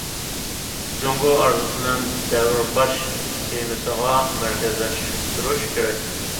جۇڭگو ئارزۇسىنىڭ دەۋر باش تېمىسىغا مەركەزلەشتۈرۈش كېرەك.